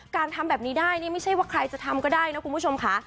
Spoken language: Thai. ทำแบบนี้ได้นี่ไม่ใช่ว่าใครจะทำก็ได้นะคุณผู้ชมค่ะ